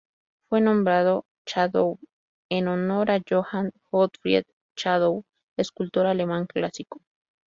Fue nombrado Schadow en honor a Johann Gottfried Schadow escultor alemán clásico.